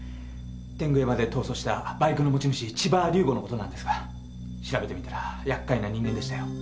天狗山で逃走したバイクの持ち主千葉竜吾の事なんですが調べてみたらやっかいな人間でしたよ。